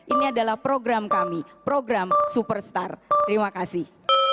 ini adalah program kami program superstar terima kasih